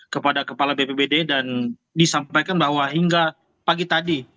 kepada kepala bpbd dan disampaikan bahwa hingga pagi tadi